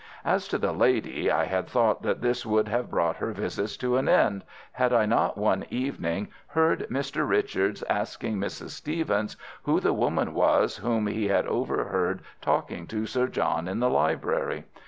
As to the lady, I had thought that this would have brought her visits to an end, had I not one evening heard Mr. Richards asking Mrs. Stevens who the woman was whom he had overheard talking to Sir John in the library.